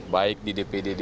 baik di dpd dpd